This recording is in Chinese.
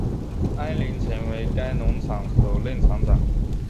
安林成为该农场首任场长。